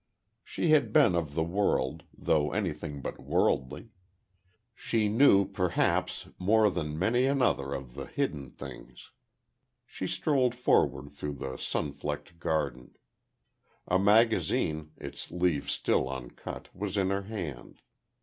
She had been of the world, though anything but worldly. She knew perhaps, more than many another of the Hidden Things. She strolled forward through the sun flecked garden. A magazine, its leaves still uncut, was in her hand.